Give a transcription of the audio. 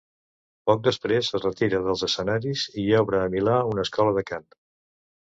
Poc després es retira dels escenaris i obre a Milà una escola de cant.